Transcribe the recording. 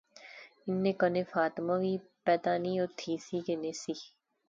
انیں کنے فاطمہ وی۔۔۔ پتہ نی او تھی سی کہ نہسی